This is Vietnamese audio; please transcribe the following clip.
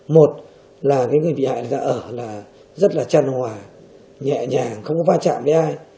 một là cái người bị hại người ta ở là rất là tràn hòa nhẹ nhàng không có pha chạm với ai